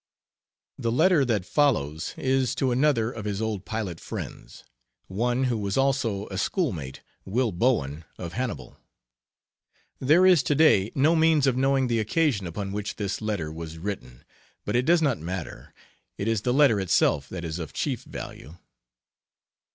The letter that follows is to another of his old pilot friends, one who was also a schoolmate, Will Bowen, of Hannibal. There is today no means of knowing the occasion upon which this letter was written, but it does not matter; it is the letter itself that is of chief value.